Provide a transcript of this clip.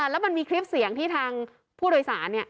แล้วมันมีคลิปเสียงที่ทางผู้โดยสาร